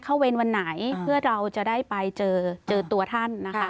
เวรวันไหนเพื่อเราจะได้ไปเจอเจอตัวท่านนะคะ